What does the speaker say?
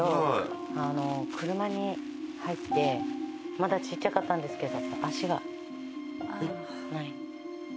まだちっちゃかったんですけど。